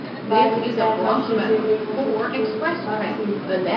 বাড়ির চারপাশে জেলের মত উচু পাঁচিল।